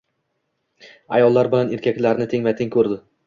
Ayollar bilan erkaklarni tengma-teng ko‘rdi.